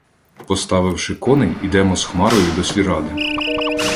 Поставивши коней, ідемо з Хмарою до сільради.